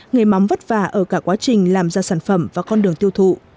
nghề mắm vất vả ở cả quá trình làm ra sản phẩm và con đường tiêu thụ